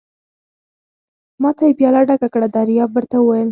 ما ته یې پياله ډکه کړه، دریاب ور ته وویل.